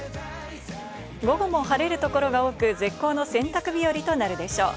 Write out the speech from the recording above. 午後も晴れる所が多く、絶好の洗濯日和となるでしょう。